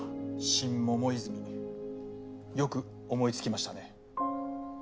「シン桃泉」よく思いつきましたね。